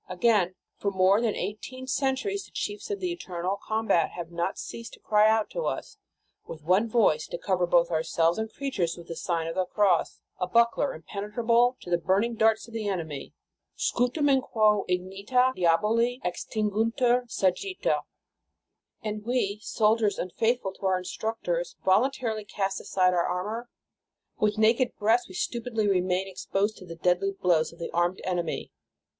Again, for more than eighteen centuries the chiefs of the eternal combat have not ceased to cry out to us with one voice, to cover both ourselves and creatures with the Sign of the Cross, a buckler, impenetrable to the burning darts of the enemy: Scutum in quo ignita diaboli extinguuntur sagitta. And we, soldiers unfaithful to our instructions, vol untarily cast aside our armor? With naked breast, we stupidly remain exposed to the deadly blows of the armed enemy